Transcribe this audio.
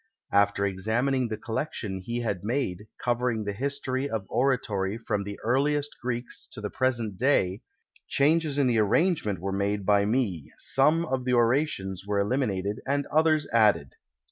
After examining the collection he had made, covering the history of oratory from the earliest Greeks to the present day, changes in the arrangement were made by me, some of the orations were PREFACE eliminated and others added.